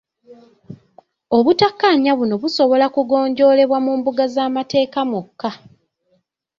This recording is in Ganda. Obutakkaanya buno busobola kugonjoolebwa mu mbuga z'amateeka mwokka.